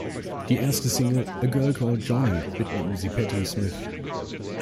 Die erste Single "A Girl Called Johnny" widmeten sie Patti Smith.